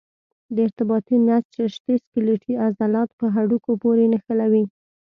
د ارتباطي نسج رشتې سکلیټي عضلات په هډوکو پورې نښلوي.